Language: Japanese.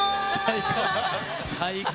最高！